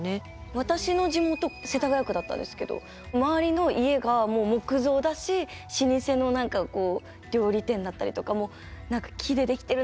私の地元世田谷区だったんですけど周りの家がもう木造だし老舗の何かこう料理店だったりとかも木で出来てるな